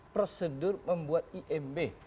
prosedur membuat imb